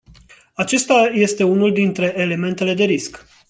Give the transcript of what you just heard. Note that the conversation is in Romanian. Acesta este unul dintre elementele de risc.